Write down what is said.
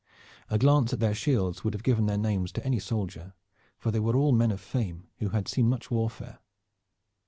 A glance at their shields would have given their names to any soldier, for they were all men of fame who had seen much warfare.